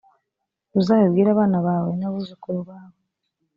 uzabibwire abana bawe n abuzukuru bawe